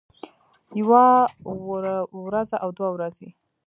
يوه وروځه او دوه ورځې